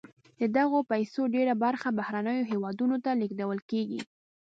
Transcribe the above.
د دغه پیسو ډېره برخه بهرنیو هېوادونو ته لیږدول کیږي.